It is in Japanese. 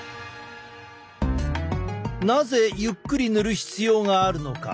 なぜゆっくり塗る必要があるのか？